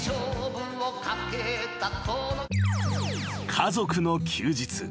［家族の休日］